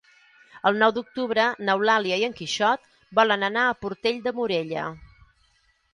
El nou d'octubre n'Eulàlia i en Quixot volen anar a Portell de Morella.